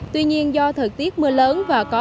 tuy nhiên do thời tiết mưa lớn và có